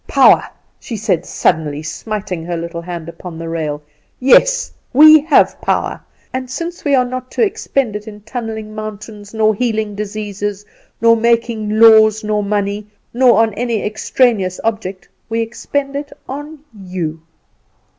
"Power!" she said, suddenly, smiting her little hand upon the rail. "Yes, we have power; and since we are not to expend it in tunnelling mountains, nor healing diseases, nor making laws, nor money, nor on any extraneous object, we expend it on you.